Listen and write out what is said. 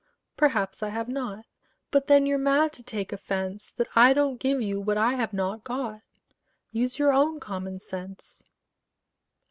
Perhaps I have not; But then you're mad to take offence That I don't give you what I have not got: Use your own common sense.